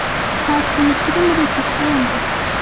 Nta kintu kiri muri iki cyumba.